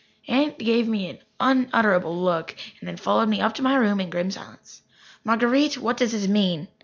Aunt gave me an unutterable look and then followed me up to my room in grim silence. "Marguer_ite_, what does this mean?"